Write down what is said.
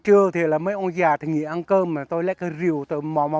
hay là muốn nói hàm mê